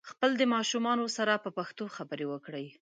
خپل د ماشومانو سره په پښتو خبري وکړئ